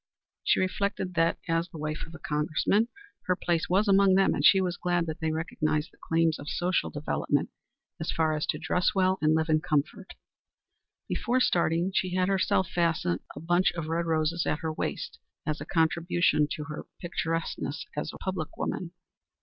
She reflected that, as, the wife of a Congressman, her place was among them, and she was glad that they recognized the claims of social development so far as to dress well and live in comfort. Before starting she had herself fastened a bunch of red roses at her waist as a contribution to her picturesqueness as a public woman.